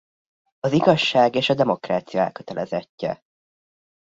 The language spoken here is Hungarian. Az igazság és a demokrácia elkötelezettje.